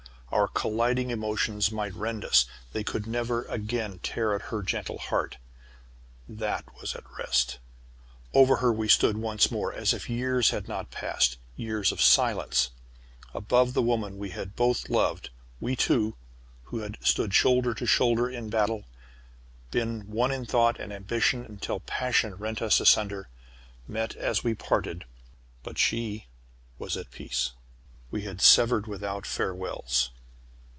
Our colliding emotions might rend us, they could never again tear at her gentle heart. That was at rest. Over her we stood once more, as if years had not passed years of silence. Above the woman we had both loved, we two, who had stood shoulder to shoulder in battle, been one in thought and ambition until passion rent us asunder, met as we parted, but she was at peace! We had severed without farewells.